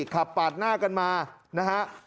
ขับปาดหน้ากันมานะฮะ